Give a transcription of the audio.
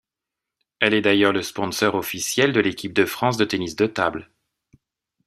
Elle est d'ailleurs le sponsor officiel de l'Équipe de France de tennis de table.